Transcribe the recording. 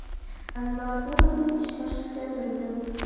ئەمما بۇ قېتىم ئىش باشقىچە تۇرىدۇ.